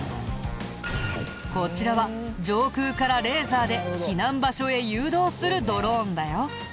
こちらは上空からレーザーで避難場所へ誘導するドローンだよ。